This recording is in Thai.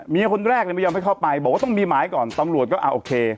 คนแรกเลยไม่ยอมให้เข้าไปบอกว่าต้องมีหมายก่อนตำรวจก็โอเค